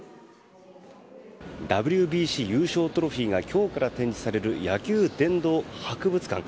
ＷＢＣ優勝トロフィーが今日から展示される野球殿堂博物館。